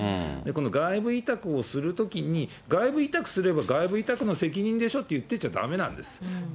この外部委託をするときに外部委託すれば、外部委託の責任でしょって言ってちゃだめなんです。